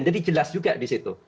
jadi jelas juga disitu